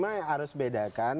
mas bima harus bedakan